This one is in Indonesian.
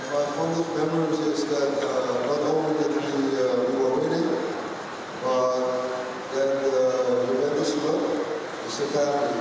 saya berharap para penggemar ini tidak hanya akan menjadi keluarga yang lebih baik